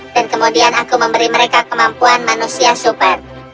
dan kemudian aku memberi mereka kemampuan manusia super